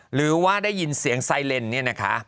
หรือว่าได้ยินเสียงไซเลนด์